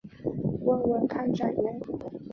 问问看站员